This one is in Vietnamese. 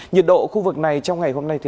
nhiệt độ khu vực này trong ngày hôm nay